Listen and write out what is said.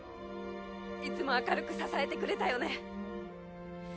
いつも明るく支えてくれたよね